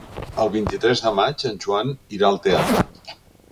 El vint-i-tres de maig en Joan irà al teatre.